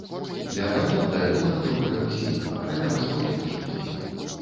Для абанента яна добрая ўсім, акрамя распаўсюджанасці.